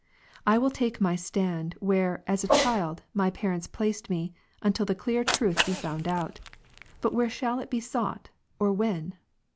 I will take my stand, where, as a child, my parents placed me, until the clear truth be found out. But where shall it be sought or when